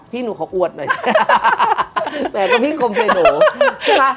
พี่หนูขออวดหน่อยแต่ก็พี่คมช่วยหนูใช่ปะ